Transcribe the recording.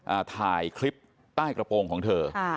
อ่าถ่ายคลิปใต้กระโปรงของเธอค่ะ